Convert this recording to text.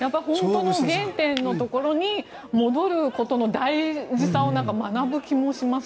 原点のところに戻ることの大事さを学ぶ気もします。